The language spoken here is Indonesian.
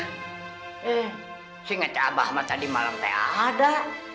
eh si ngaca abahma tadi malam teh ada